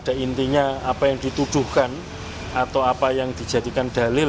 dan kemudian apa yang dituduhkan atau apa yang dijadikan dalil